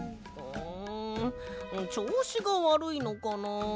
んちょうしがわるいのかなあ？